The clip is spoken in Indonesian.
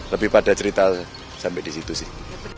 lebih pada cerita sampai disitu sih